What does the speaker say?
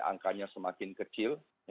angkanya semakin kecil